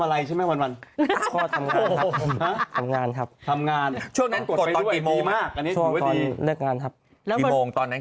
ไม่ทำอะไรใช่ไหมวันนึง